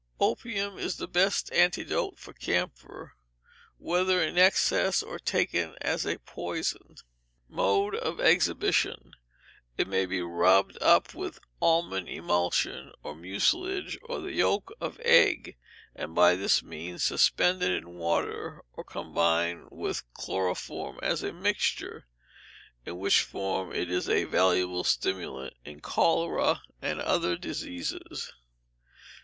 Opium is the best antidote for camphor, whether in excess or taken as a poison. Mode of exhibition. It may be rubbed up with almond emulsion, or mucilage, or the yolk of eggs, and by this means suspended in water, or combined with chloroform as a mixture, in which form it is a valuable stimulant in cholera and other diseases.